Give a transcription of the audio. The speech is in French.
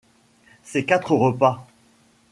Ses quatre repas.